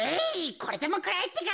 これでもくらえってか。